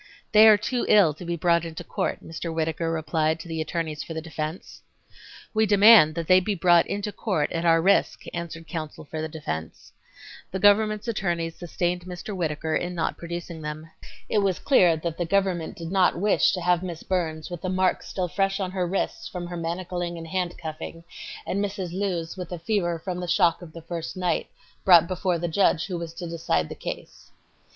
"They are too ill to be brought into court," Mr. Whittaker replied to the attorneys for the defense. "We demand that they be brought into court at our risk," answered counsel for the defense. The government's attorneys sustained Mr. Whittaker in not producing them. It was clear that the government did not her wish to have Miss Burns with the marks still fresh on wrists from her manacling and handcuffing, and Mrs. Lewes with a fever from the shock of the first night, brought before the judge who was to decide the case.